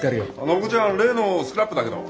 暢子ちゃん例のスクラップだけど。